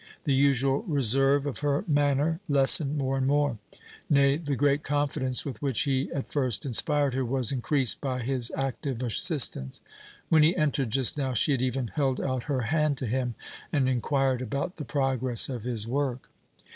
The usual reserve of her manner lessened more and more; nay, the great confidence with which he at first inspired her was increased by his active assistance. When he entered just now, she had even held out her hand to him, and inquired about the progress of his work.